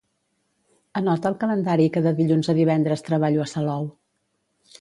Anota al calendari que de dilluns a divendres treballo a Salou.